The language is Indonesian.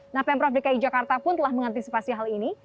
nah pemprov dki jakarta pun telah mengantisipasi hal ini